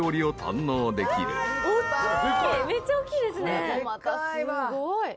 すごい。